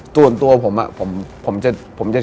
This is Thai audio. ก็ได้ผลจริง